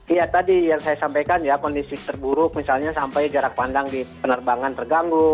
iya tadi yang saya sampaikan ya kondisi terburuk misalnya sampai jarak pandang di penerbangan terganggu